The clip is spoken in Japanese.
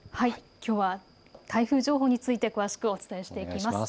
きょうは台風情報について詳しくお伝えしていきます。